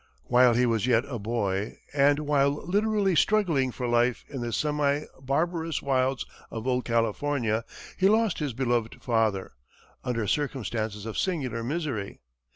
While he was yet a boy, and while literally struggling for life in the semi barbarous wilds of old California, he lost his beloved father, under circumstances of singular misery.